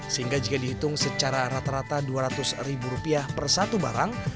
sehingga jika dihitung secara rata rata rp dua ratus per satu barang